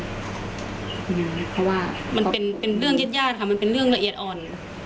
เพราะว่ามันเป็นเรื่องญาติญาติค่ะมันเป็นเรื่องละเอียดอ่อน